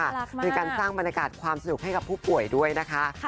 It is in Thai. เป็นการสร้างบรรยากาศความสนุกให้กับผู้ป่วยด้วยนะคะ